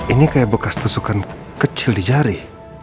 ini kayak bekas tusukan kecil di jari